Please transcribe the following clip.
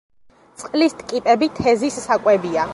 წყლის ტკიპები თეზის საკვებია.